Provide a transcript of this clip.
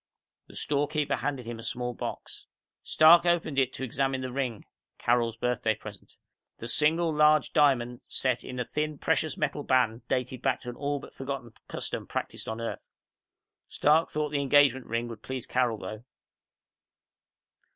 The storekeeper handed him a small box. Stark opened it to examine the ring Carol's birthday present. The single, large diamond set in the thin precious metal band dated back to an all but forgotten custom practiced on Earth. Stark thought the engagement ring would please Carol, though.